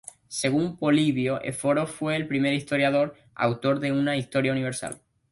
Según Polibio, Éforo fue el primer historiador, autor de una historia universal.